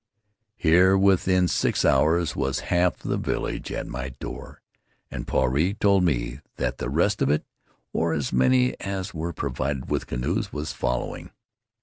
Here within six hours was half the village at my door, and Puarei told me that the rest of it, or as many as were provided with canoes, was following.